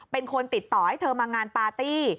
เป็นคนติดต่อให้เธอมางานปาร์ตี้